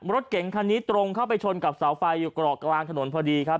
รถเก๋งคันนี้ตรงเข้าไปชนกับเสาไฟอยู่กรอกกลางถนนพอดีครับ